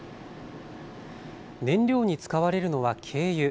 燃料に使われるのは軽油。